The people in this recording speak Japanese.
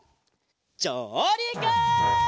じょうりく！